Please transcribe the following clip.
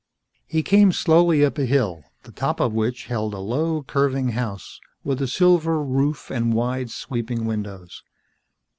He came slowly up a hill, the top of which held a low curving house, with a silver roof and wide, sweeping windows.